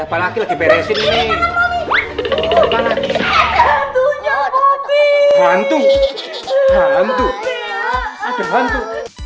ada laki laki beres ini hantu hantu